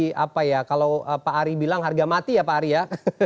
dari apa ya kalau pak ari bilang harga mati ya pak ari ya